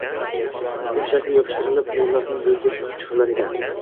gul shakli yopishtirilib yo‘llarning bo‘yiga suqib chiqilar edi!